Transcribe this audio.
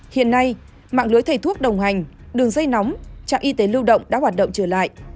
hiện nay mạng lưới thầy thuốc đồng hành đường dây nóng trạm y tế lưu động đã hoạt động trở lại